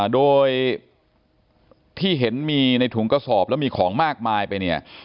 โดยที่เห็นมีในถุงกระสอบแล้วมีของมากมายไปเนี่ย